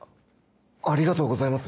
ありがとうございます。